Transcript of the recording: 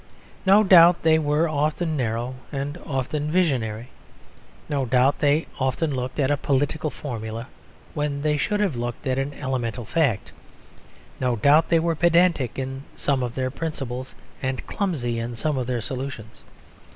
No doubt they were often narrow and often visionary. No doubt they often looked at a political formula when they should have looked at an elemental fact. No doubt they were pedantic in some of their principles and clumsy in some of their solutions.